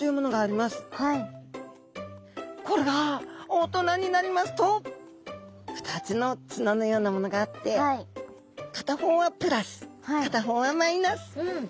これが大人になりますと２つの角のようなものがあって片方はプラス片方はマイナス。